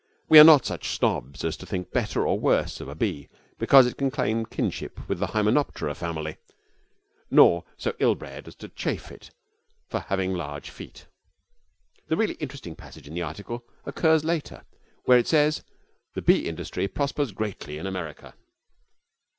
We are not such snobs as to think better or worse of a bee because it can claim kinship with the Hymenoptera family, nor so ill bred as to chaff it for having large feet. The really interesting passage in the article occurs later, where it says: 'The bee industry prospers greatly in America.'